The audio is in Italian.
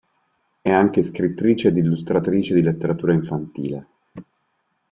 È anche scrittrice ed illustratrice di letteratura infantile.